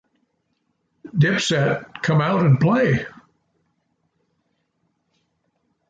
Dipset, come out and play!